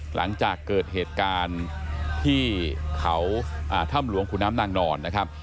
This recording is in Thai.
หลังจากเกิดเหตุการณ์ที่เขาถ้ำหลวงขุนน้ำนางนอนนะครับ